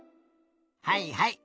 はいはい。